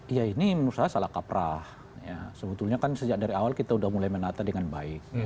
ya ini menurut saya salah kaprah sebetulnya kan sejak dari awal kita sudah mulai menata dengan baik